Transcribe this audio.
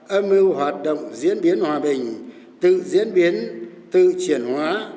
và hoạt động diễn biến hòa bình tự diễn biến tự triển hóa